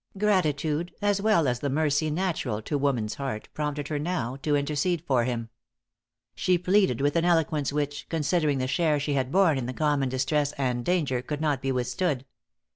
Gratitude, as well as the mercy natural to woman's heart, prompted her now to intercede for him. She pleaded with an eloquence which, considering the share she had borne in the common distress and danger, could not be withstood.